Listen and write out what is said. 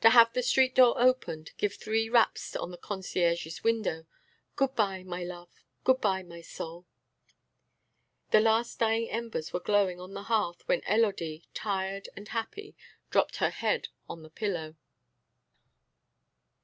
To have the street door opened, give three raps on the concierge's window. Good bye, my life, good bye, my soul!" The last dying embers were glowing on the hearth when Élodie, tired and happy, dropped her head on the pillow.